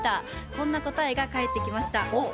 こんなこたえが返ってきました。